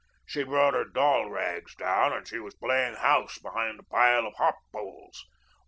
She'd brought her doll rags down and she was playing house behind a pile of hop poles.